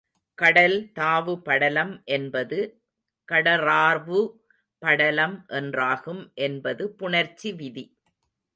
கடல் தாவு படலம் என்பது கடறாவு படலம் என்றாகும் என்பது புணர்ச்சி விதி.